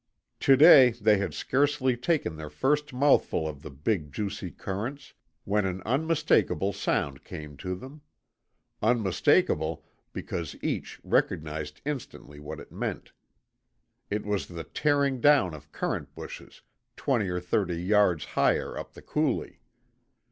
To day they had scarcely taken their first mouthful of the big juicy currants when an unmistakable sound came to them. Unmistakable because each recognized instantly what it meant. It was the tearing down of currant bushes twenty or thirty yards higher up the coulee.